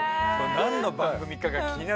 何の番組かが気になる。